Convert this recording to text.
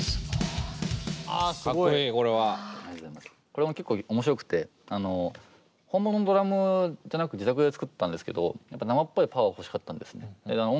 これも結構面白くて本物のドラムじゃなく自宅で作ったんですけどやっぱり生っぽいパワー欲しかったんですね。